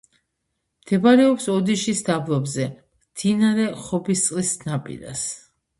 მდებარეობს ოდიშის დაბლობზე, მდინარე ხობისწყლის ნაპირას.